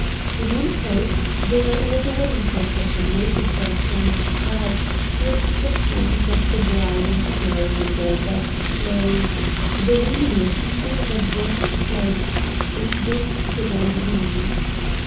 In one place there was a wedding procession waiting for the train to pass, with the friends of the bride and groom in their best clothes, the women with silver breastplates, and boots to their knees.